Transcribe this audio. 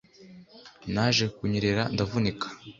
naje kunyerera ndavunika